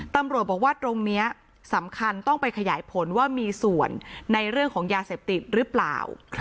ตำรวจบอกว่าตรงนี้สำคัญต้องไปขยายผลว่ามีส่วนในเรื่องของยาเสพติดหรือเปล่า